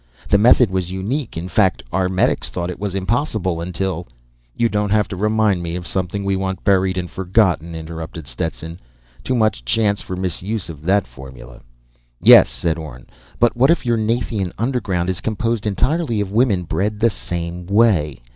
The method was unique. In fact, our medics thought it was impossible until "_ "You don't have to remind me of something we want buried and forgotten," interrupted Stetson. "Too much chance for misuse of that formula." "Yes," said Orne. _"But what if your Nathian underground is composed entirely of women bred the same way?